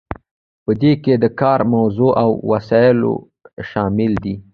په دې کې د کار موضوع او وسایل شامل دي.